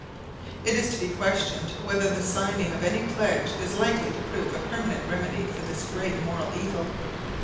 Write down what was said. It is to be questioned whether the signing of any pledge is likely to prove a permanent remedy for this great moral evil.